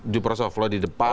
jum'at soal law di depan